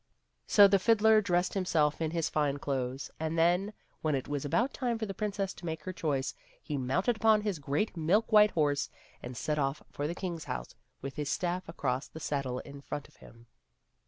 So the fiddler dressed himself in his fine clothes, and then, when it was about time for the princess to make her choice, he mounted upon his great milk white horse and set off for the king's house with his stafif across the saddle in front of him.